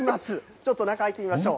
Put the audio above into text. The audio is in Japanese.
ちょっと中、入ってみましょう。